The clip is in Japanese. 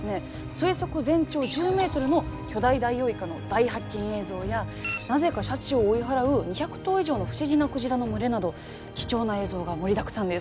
推測全長１０メートルの巨大ダイオウイカの大発見映像やなぜかシャチを追い払う２００頭以上の不思議なクジラの群れなど貴重な映像が盛りだくさんです。